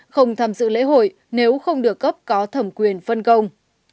không tham dự lễ hội nếu không được cấp có thẩm quyền phân công